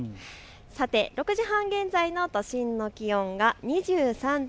さて６時半現在の都心の気温が２３．９度。